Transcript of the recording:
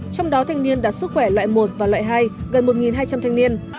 trong đó thanh niên đạt sức khỏe loại một và loại hai gần một hai trăm linh thanh niên